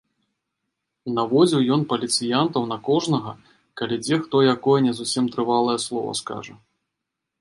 Наводзіў ён паліцыянтаў на кожнага, калі дзе хто якое не зусім трывалае слова скажа.